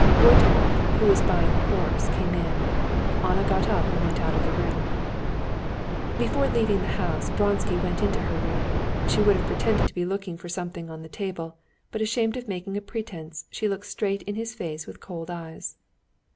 Voytov, who was buying the horse, came in. Anna got up and went out of the room. Before leaving the house, Vronsky went into her room. She would have pretended to be looking for something on the table, but ashamed of making a pretense, she looked straight in his face with cold eyes.